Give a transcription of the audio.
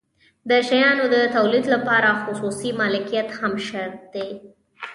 د شیانو د تولید لپاره خصوصي مالکیت هم شرط دی.